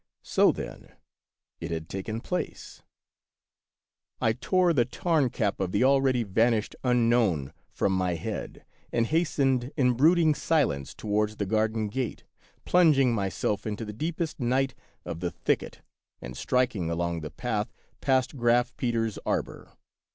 So, then, it had taken place ! I tore the Tarn cap of the already vanished Unknown from my head and hastened in brood ing silence towards the garden gate, plunging myself into the deepest night of the thicket and striking along the path past Graf Peter's arbor.